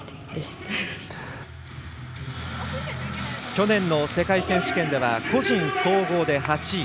去年の世界選手権では個人総合で８位。